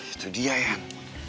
itu dia ian